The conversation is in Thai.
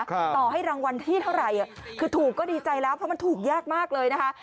ต่อให้รางวัลที่เท่าไหร่คือถูกก็ดีใจแล้วเพราะมันถูกยากมากเลยนะคะ